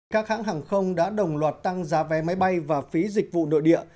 các hãng hàng không đã đồng loạt tăng giá vé máy bay và phí dịch vụ nội địa